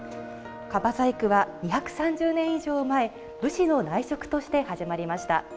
樺細工は２３０年以上前武士の内職として始まりました。